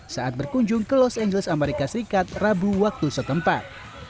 saat berkunjung ke los angeles amerika serikat rabu waktu setempat